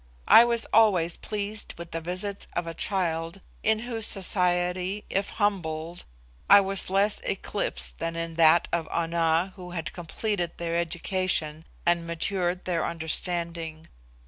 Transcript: I was always pleased with the visits of a child, in whose society, if humbled, I was less eclipsed than in that of Ana who had completed their education and matured their understanding.